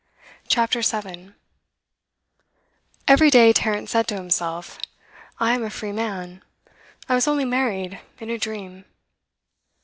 CHAPTER 7 Every day Tarrant said to himself: 'I am a free man; I was only married in a dream.